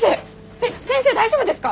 えっ先生大丈夫ですか？